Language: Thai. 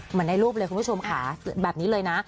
ในรูปเลยคุณผู้ชมค่ะแบบนี้เลยนะ